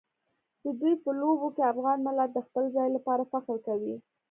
د دوی په لوبو کې افغان ملت د خپل ځای لپاره فخر کوي.